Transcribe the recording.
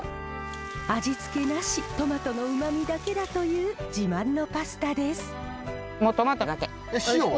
味付けなしトマトのうまみだけだという自慢のパスタです。